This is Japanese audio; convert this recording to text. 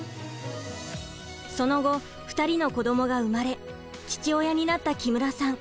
その後２人の子どもが生まれ父親になった木村さん。